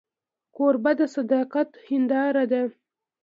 کوربه د صداقت هنداره ده.